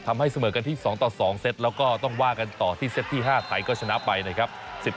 เสมอกันที่๒ต่อ๒เซตแล้วก็ต้องว่ากันต่อที่เซตที่๕ไทยก็ชนะไปนะครับ